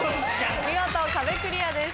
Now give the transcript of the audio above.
見事壁クリアです。